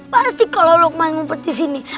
pasti kalau lukman ngumpet disini